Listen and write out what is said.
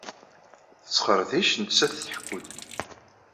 Tettqerdic netta-t tḥekku-d